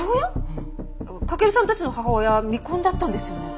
駆さんたちの母親は未婚だったんですよね？